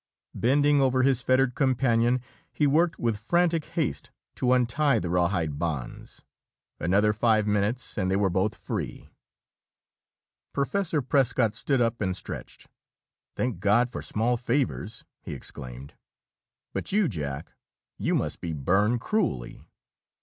Bending over his fettered companion, he worked with frantic haste to untie the rawhide bonds. Another five minutes and they were both free. Professor Prescott stood up and stretched. "Thank God for small favors!" he exclaimed. "But you, Jack? You must be burned cruelly.